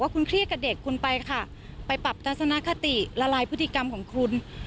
คุณเครียดกับเด็กคุณไปค่ะไปปรับทัศนคติละลายพฤติกรรมของคุณ